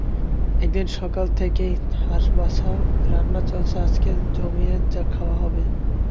একদিন সকাল থেকেই হাঁস বাছা, রান্না চলছে, আজকে জমিয়ে খাওয়া হবে।